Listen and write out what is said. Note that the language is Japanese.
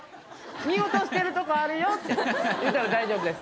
見落としてるとこあるよ」って言ったら大丈夫です。